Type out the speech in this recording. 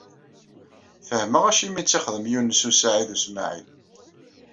Fehmeɣ acimi i tt-ixdem Yunes u Saɛid u Smaɛil.